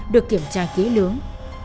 được kiểm tra kỹ lướng